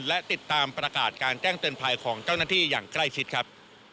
และติดตามประกาศการแจ้งเตือนภัยของเจ้าหน้าที่อย่างใกล้ชิดครับ